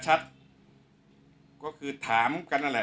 ช่างแอร์เนี้ยคือล้างหกเดือนครั้งยังไม่แอร์